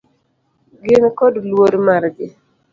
Gin kod luor margi.